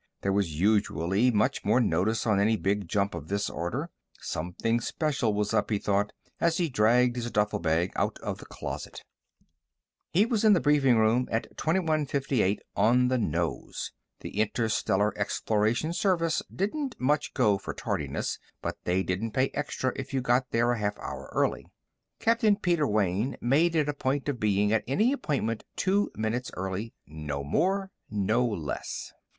There was usually much more notice on any big jump of this order. Something special was up, he thought, as he dragged his duffle bag out of the closet. He was at the briefing room at 2158 on the nose. The Interstellar Exploration Service didn't much go for tardiness, but they didn't pay extra if you got there a half hour early. Captain Peter Wayne made it a point of being at any appointment two minutes early no more, no less.